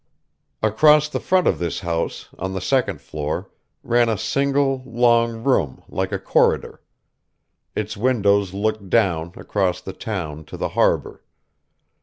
Across the front of this house, on the second floor, ran a single, long room like a corridor. Its windows looked down, across the town, to the Harbor.